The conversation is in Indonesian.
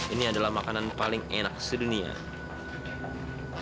ini adalah makanan paling enak sedunia